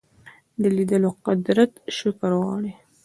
د لیدلو قدرت شکر غواړي